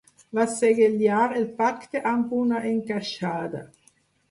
Van segellar el pacte amb una encaixada.